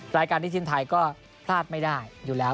รายการนี้ทีมไทยก็พลาดไม่ได้อยู่แล้ว